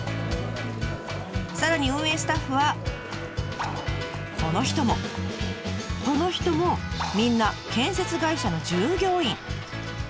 さらに運営スタッフはこの人もこの人もみんな建設会社の従業員。